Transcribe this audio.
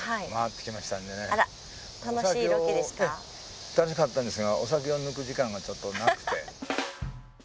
楽しかったんですがお酒を抜く時間がちょっとなくて。